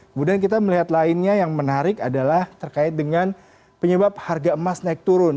kemudian kita melihat lainnya yang menarik adalah terkait dengan penyebab harga emas naik turun